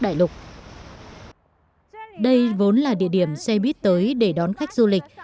đây vốn là địa điểm xe buýt tới để đón khách du lịch